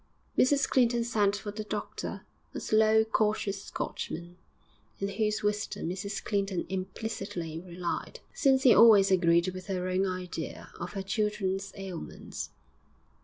Mrs Clinton sent for the doctor, a slow, cautious Scotchman, in whose wisdom Mrs Clinton implicitly relied, since he always agreed with her own idea of her children's ailments.